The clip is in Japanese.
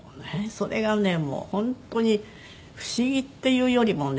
それがねもう本当に不思議っていうよりもね